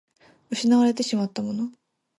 失われてしまったもの